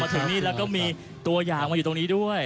ถึงนี่แล้วก็มีตัวอย่างมาอยู่ตรงนี้ด้วย